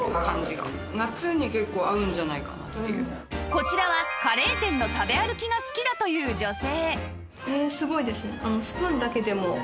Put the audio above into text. こちらはカレー店の食べ歩きが好きだという女性